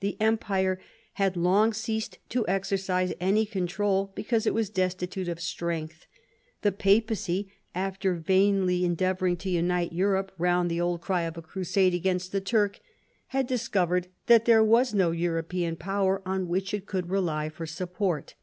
The Empire had long ceased to exercise any control, because it was destitute of strength. The Papacy, after vainly endeavouring to unite Europe round I THE STATE OF EUROPE 6 the old cry of a crusade against the Turk, had discovered that there was no European power on which it could rely for support.